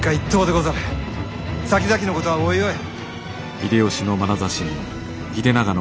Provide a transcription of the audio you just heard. さきざきのことはおいおい。